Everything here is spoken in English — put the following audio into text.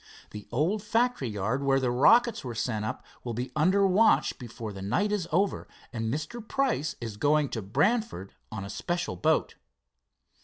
The old factory yard where the rockets were sent up will be under watch before the night is over, and Mr. Price is going to Brantford on a special boat."